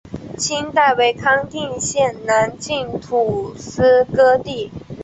清代为康定县南境土司辖地。